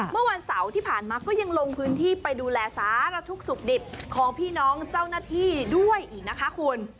เมื่อวันเสาร์ที่ผ่านมาก็ยังลงพื้นที่ไปดูแลสารทุกข์สุขดิบของพี่น้องเจ้าหน้าที่ด้วยอีกนะคะคุณ